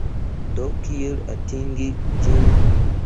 Do kiel atingi ĝin?